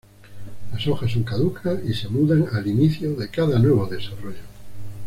Las hojas son caducas, y se mudan al inicio de cada nuevo desarrollo.